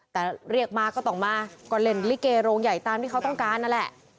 แต่เรียกมาก็ต้องมาก็เล่นลิเกโรงใหญ่ตามที่เขาต้องการนั่นแหละ